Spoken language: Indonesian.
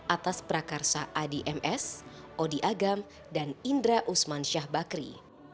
atas prakarsa adi ms odi agam dan indra usman syah bakri